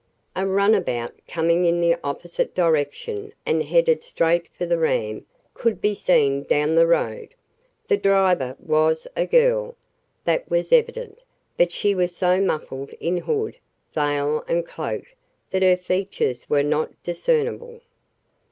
A runabout, coming in the opposite direction, and headed straight for the ram, could be seen down the road. The driver was a girl, that was evident, but she was so muffled in hood, veil and cloak that her features were not discernible.